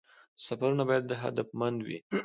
سفرونه باید هدفمند وي